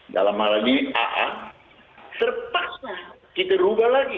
dalam hal ini aa terpaksa kita rubah lagi